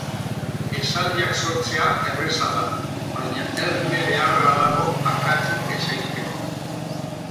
Esaldiak sortzea erraza da, baina erne egon beharra dago akatsik ez egiteko.